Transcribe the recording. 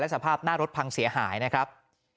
สภาพหน้ารถพังเสียหายนะครับ